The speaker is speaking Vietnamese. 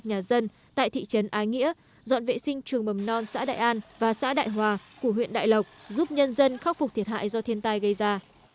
nhà dân tại thị trấn ái nghĩa dọn vệ sinh trường mầm non xã đại an và xã đại hòa của huyện đại lộc giúp nhân dân khắc phục thiệt hại do thiên tai gây ra